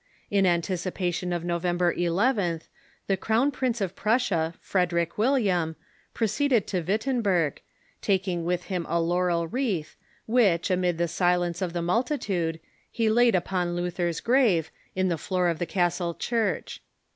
In anticipation of November 11th, the Crown Prince of Prussia, Frederic AVilliam, proceeded to Wittenberg, taking with him a laurel wreath, which, amid the silence of the multitude, he laid upon Luther's grave, in the floor of the Castle Church.